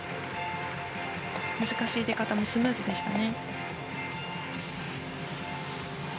難しい出方もスムーズでした。